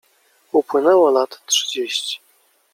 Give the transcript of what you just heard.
Upłynęło lat trzydzieści.